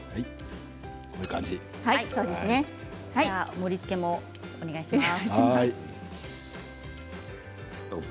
盛りつけもお願いします。